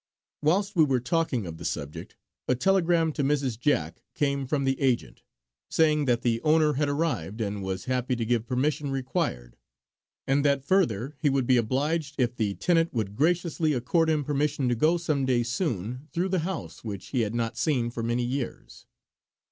Whilst we were talking of the subject a telegram to Mrs. Jack came from the agent, saying that the owner had arrived and was happy to give permission required and that further he would be obliged if the tenant would graciously accord him permission to go some day soon through the house which he had not seen for many years.